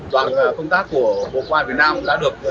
đoàn công tác của bộ quản việt nam đã được